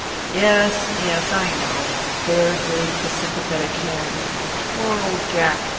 "Yes, yes, I know." Baird waved a sympathetic hand. "Poor old Jack.